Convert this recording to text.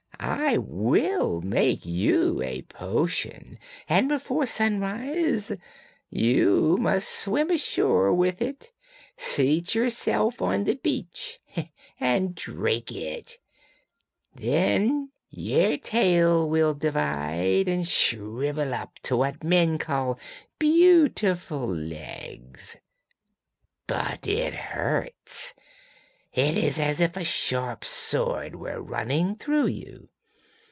I will make you a potion, and before sunrise you must swim ashore with it, seat yourself on the beach and drink it; then your tail will divide and shrivel up to what men call beautiful legs. But it hurts; it is as if a sharp sword were running through you.